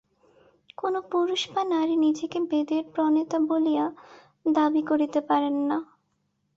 কোন পুরুষ বা নারী নিজেকে বেদের প্রণেতা বলিয়া দাবী করিতে পারেন না।